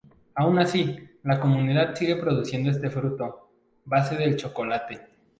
Aun así, la comunidad sigue produciendo este fruto, base del chocolate.